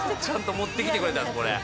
ちゃんと持ってきてくれたんですか？